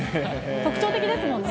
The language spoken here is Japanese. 特徴的ですもんね。